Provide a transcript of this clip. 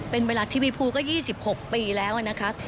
เป็นเวลาทีวีภูก็๒๖ปีแล้วนะคะ